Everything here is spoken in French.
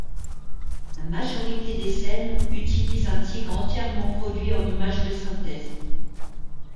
La majorité des scènes utilise un tigre entièrement produit en images de synthèse.